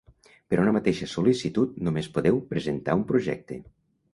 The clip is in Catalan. Per a una mateixa sol·licitud només podeu presentar un projecte.